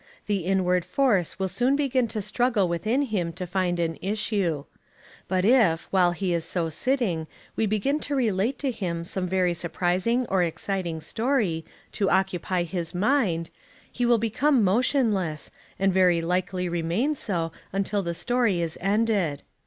The inward force will soon begin to struggle within him to find an issue. But if, while he is so sitting, we begin to relate to him some very surprising or exciting story, to occupy his mind, he will become motionless, and very likely remain so until the story is ended.